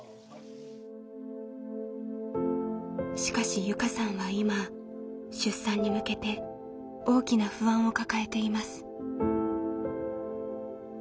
しかし友佳さんは今出産に向けて大きな不安を抱えています。